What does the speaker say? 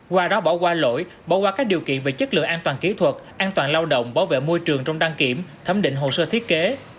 qua đó bỏ qua lỗi bỏ qua các điều kiện về chất lượng an toàn kỹ thuật an toàn lao động bảo vệ môi trường trong đăng kiểm thẩm định hồ sơ thiết kế